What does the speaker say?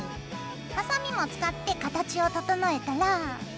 はさみも使って形を整えたら。